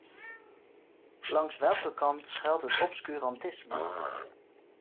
Langs welke kant schuilt het obscurantisme?